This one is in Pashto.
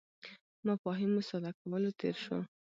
مفاهیمو ساده کولو تېر شو.